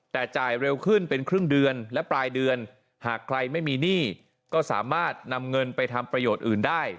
แต่จ่ายเร็วขึ้นเป็นครึ่งเดือนและปลายเดือนหากใครไม่มีหนี้ก็สามารถนำเงินไปทำประโยชน์อื่นได้